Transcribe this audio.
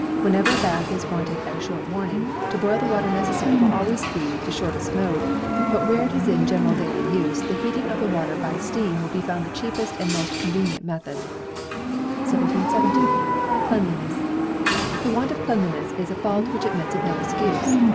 Whenever a bath is wanted at a short warning, to boil the water necessary will always be the shortest mode; but where it is in general daily use, the heating the water by steam will be found the cheapest and most convenient method. 1717. Cleanliness. The want of cleanliness is a fault which admits of no excuse.